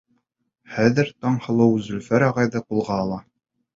Хәҙер Таңһылыу Зөлфәр ағайҙы ҡулға ала.